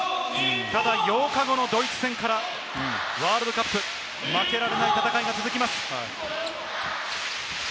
ただ８日後のドイツ戦からワールドカップ、負けられない戦いが続きます。